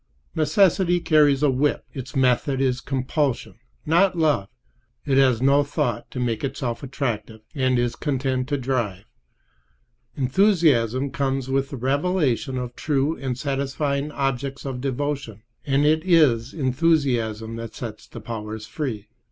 Necessity carries a whip. Its method is compulsion, not love. It has no thought to make itself attractive; it is content to drive. Enthusiasm comes with the revelation of true and satisfying objects of devotion; and it is enthusiasm that sets the powers free.